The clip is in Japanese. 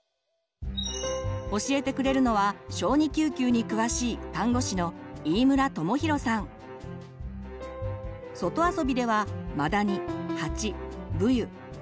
教えてくれるのは小児救急に詳しい外遊びではマダニハチブユ蚊